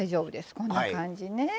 こんな感じね。